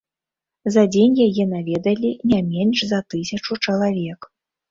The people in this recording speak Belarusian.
За дзень яе наведалі не менш за тысячу чалавек.